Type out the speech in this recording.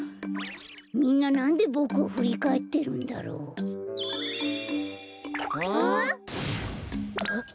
みんななんでボクをふりかえってるんだろう？ん？あっ！